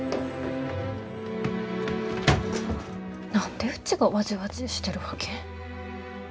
何でうちがわじわじーしてるわけ？